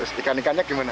terus ikan ikannya gimana